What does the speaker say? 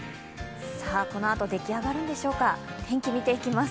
このあと、出来上がるんでしょうか、天気、見ていきます。